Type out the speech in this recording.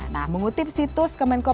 nah mengutip situs kemenko